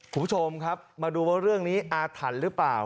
คุณผู้ชมครับมาดูว่าเรื่องนี้อาถรรพ์หรือเปล่า